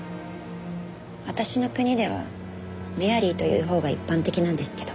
私の国ではメアリーというほうが一般的なんですけど。